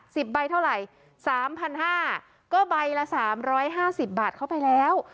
สิบใบเท่าไหร่สามพันห้าก็ใบละสามร้อยห้าสิบบาทเข้าไปแล้ว